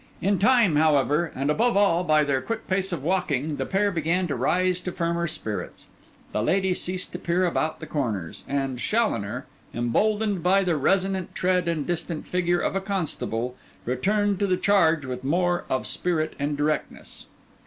In time, however, and above all by their quick pace of walking, the pair began to rise to firmer spirits; the lady ceased to peer about the corners; and Challoner, emboldened by the resonant tread and distant figure of a constable, returned to the charge with more of spirit and directness.